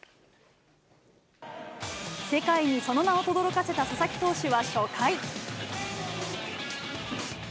世界にその名をとどろかせた佐々木投手は初回。